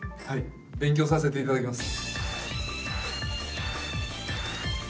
勉強させていただきます。